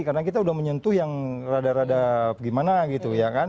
karena kita udah menyentuh yang rada rada gimana gitu ya kan